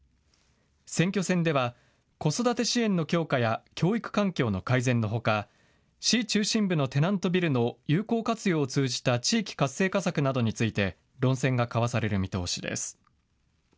選挙戦では、子育て支援の強化や教育環境の改善のほか市中心部のテナントビルの有効活用を通じた地域活性化策などについて論戦が交わされる見通しです。